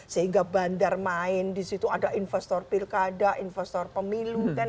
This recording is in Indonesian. sehingga bandar main di situ ada investor pilkada investor pemilu